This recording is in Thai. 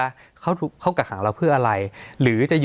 สวัสดีครับทุกผู้ชม